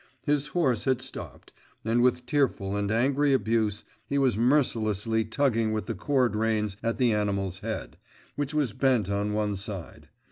His horse had stopped, and with tearful and angry abuse he was mercilessly tugging with the cord reins at the animal's head, which was bent on one side.